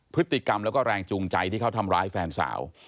พฤติกรรมแล้วก็แรงจูงใจที่เขาทำร้ายแฟนสาว